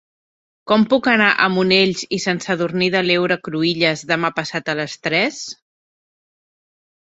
Com puc anar a Monells i Sant Sadurní de l'Heura Cruïlles demà passat a les tres?